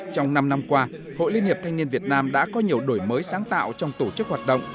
trong năm năm qua hội liên hiệp thanh niên việt nam đã có nhiều đổi mới sáng tạo trong tổ chức hoạt động